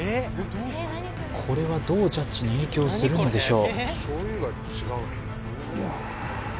これはどうジャッジに影響するんでしょう？